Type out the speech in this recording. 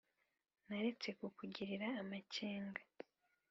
Naretse kukugirira amakenga.